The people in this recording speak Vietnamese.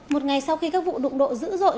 một ngày sau khi các vụ đụng độ dữ dội